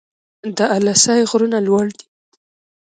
د اله سای غرونه لوړ دي